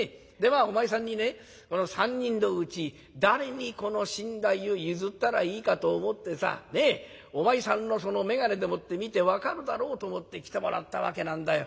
あお前さんにねこの３人のうち誰にこの身代を譲ったらいいかと思ってさお前さんのその眼鏡でもって見て分かるだろうと思って来てもらったわけなんだよ。